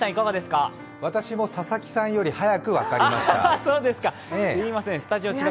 私も佐々木さんより早く分かりました。